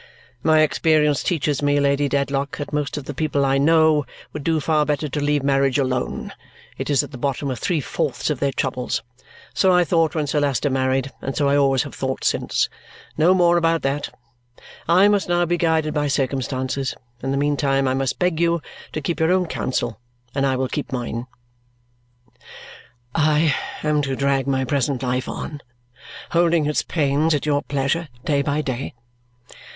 "My experience teaches me, Lady Dedlock, that most of the people I know would do far better to leave marriage alone. It is at the bottom of three fourths of their troubles. So I thought when Sir Leicester married, and so I always have thought since. No more about that. I must now be guided by circumstances. In the meanwhile I must beg you to keep your own counsel, and I will keep mine." "I am to drag my present life on, holding its pains at your pleasure, day by day?"